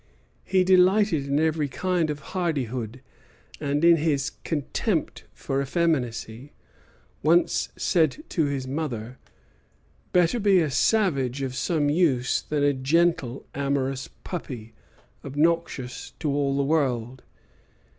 He delighted in every kind of hardihood; and, in his contempt for effeminacy, once said to his mother: "Better be a savage of some use than a gentle, amorous puppy, obnoxious to all the world."